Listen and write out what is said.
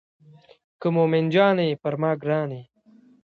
که مومن جان یې پر ما ګران یې.